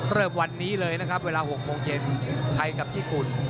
เริ่มวันนี้เลยเวลา๖โมงเย็นไทยกับฮิกุล